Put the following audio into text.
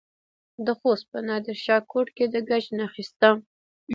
د خوست په نادر شاه کوټ کې د ګچ نښې شته.